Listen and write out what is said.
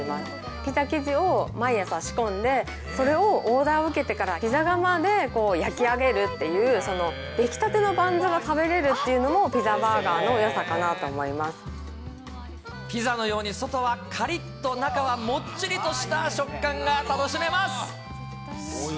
ピザ生地を毎朝仕込んで、それをオーダーを受けてからピザ窯で焼き上げるっていう、その出来たてのバンズが食べれるっていうのが、ピザバーガーのよさかなピザのように外はカリッと、中はもっちりとした食感が楽しめます。